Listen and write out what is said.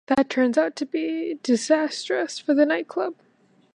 That turns out to be disastrous for the nightclub.